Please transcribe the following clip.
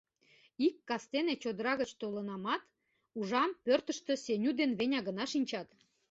Ик кастене чодыра гыч толынамат, ужам: пӧртыштӧ Сеню ден Веня гына шинчат.